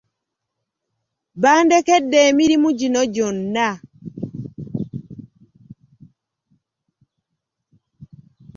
Bandekedde emirimu gino gyonna.